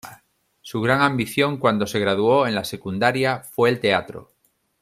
Su gran ambición cuando se graduó en la secundaria fue el teatro.